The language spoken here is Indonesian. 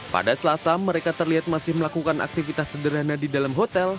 pada selasa mereka terlihat masih melakukan aktivitas sederhana di dalam hotel